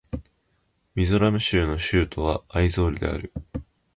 ミゾラム州の州都はアイゾールである